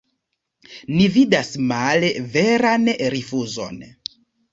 Ni vidas male veran rifuzon.